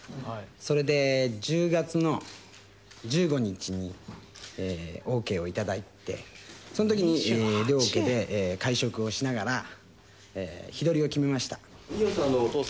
それで１０月の１５日にＯＫをいただいてそんときに両家で会食をしながら日取りを決めました。